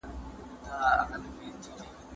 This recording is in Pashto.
موږ باید د یو بل شتون ته درناوی وکړو.